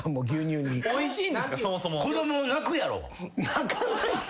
泣かないっす！